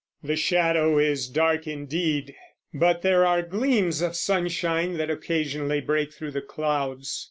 The shadow is dark indeed; but there are gleams of sunshine that occasionally break through the clouds.